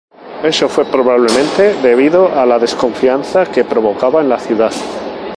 Esto fue probablemente debido a la desconfianza que provocaba en la ciudad.